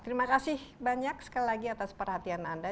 terima kasih banyak sekali lagi atas perhatian anda